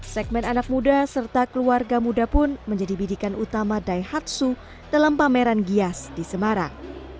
segmen anak muda serta keluarga muda pun menjadi bidikan utama daihatsu dalam pameran gias di semarang